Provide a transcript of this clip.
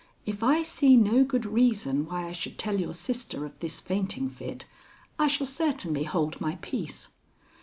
If I see no good reason why I should tell your sister of this fainting fit, I shall certainly hold my peace."